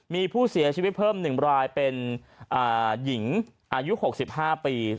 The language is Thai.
มีผู้เสียชีวิตเพิ่ม๑รายเป็นหญิงอายุ๖๕ปี